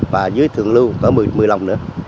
và dưới thường lưu có một mươi lòng nữa